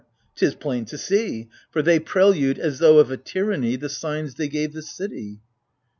'T is plain to see : for they prelude as though of A tyranny the signs they gave the city.